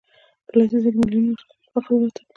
په لسیزو کې میلیونونه خلک له فقر څخه ووتل.